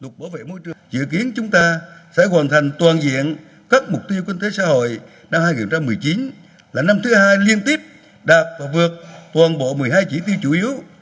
chịu kiến chúng ta sẽ hoàn thành toàn diện các mục tiêu kinh tế xã hội năm hai nghìn một mươi chín là năm thứ hai liên tiếp đạt và vượt toàn bộ một mươi hai chỉ tiêu chủ yếu